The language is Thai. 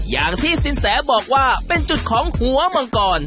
อย่างที่สินแสบอกว่าเป็นจุดของหัวมังกร